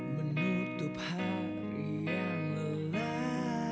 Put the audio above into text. menutup hari yang lelah